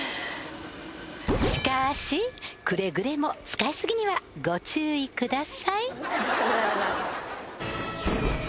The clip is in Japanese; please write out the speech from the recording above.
しかーしくれぐれも使いすぎにはご注意ください